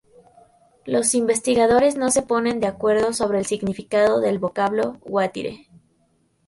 Los investigadores no se ponen de acuerdo sobre el significado del vocablo "guatire".